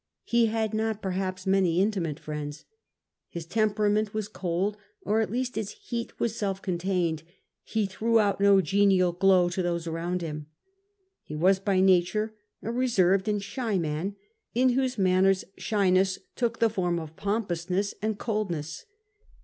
He had not perhaps many intimate friends. His temperament was cold, or at least its heat was self contained ; he threw out no genial glow to those around him. He was by nature a reserved and shy man, in whose manners shyness took the form of pompousness and coldness.